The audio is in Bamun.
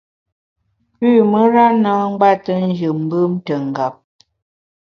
Pü mùra na ngbète njù mbùm ntùndap.